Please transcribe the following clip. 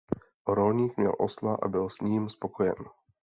Rolník měl osla a byl s ním spokojen.